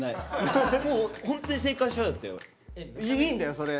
いいんだよそれ。